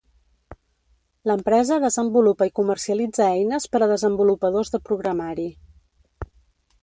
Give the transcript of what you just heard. L'empresa desenvolupa i comercialitza eines per a desenvolupadors de programari.